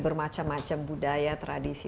bermacam macam budaya tradisi